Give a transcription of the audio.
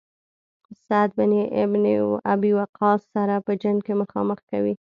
سعد بن ابي وقاص سره په جنګ کې مخامخ کوي.